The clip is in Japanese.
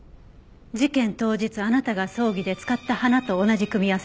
事件当日あなたが葬儀で使った花と同じ組み合わせですね。